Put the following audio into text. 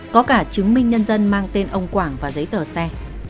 có cả chứng minh nhân dân mang tên ông quảng và giấy tờ xe